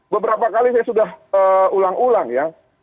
beberapa kali saya sudah ulang ulang ya